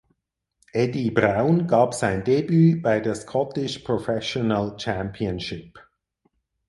Eddie Brown gab sein Debüt bei der Scottish Professional Championship.